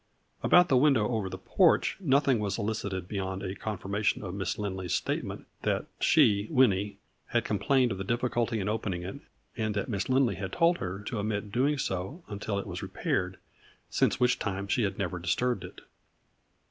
About the window over the porch nothing was elicited beyond a confirmation of Miss Lindley's statement that she, Winnie, had complained of the difficulty in opening it, and that Miss Lindley had told her to omit doing so until it A FLURRY IN DIAMONDS. 65 was repaired, since which time she had never disturbed it.